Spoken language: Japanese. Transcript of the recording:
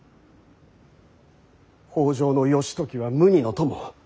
北条義時は無二の友。